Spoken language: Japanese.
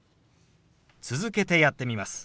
続けてやってみます。